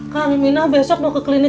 yang basah tuh udah hijau